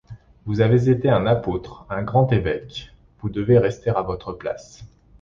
Vous avez été un apôtre, un grand évêque, vous devez rester à votre place.